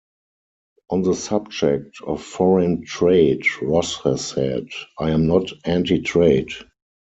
On the subject of foreign trade, Ross has said: I am not anti-trade.